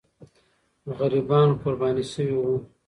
غریبان قرباني سوي وو.